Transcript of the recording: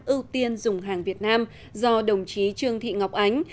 ưu tiên dùng hàng việt nam do đồng chí trương thị ngọc ánh